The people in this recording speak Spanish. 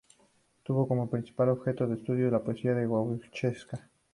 Tuvo como principal objeto de estudio la poesía gauchesca.